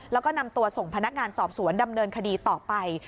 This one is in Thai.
แล้วก็นำตัวส่งพนักงานสอบสวนดำเนินคดีต่อไป